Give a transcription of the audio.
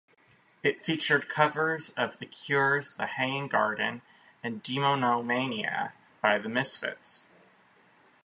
It featured covers of The Cure's "The Hanging Garden", and "Demonomania" by The Misfits.